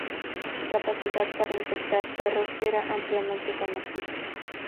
Su capacidad para infectar perros era ampliamente conocida.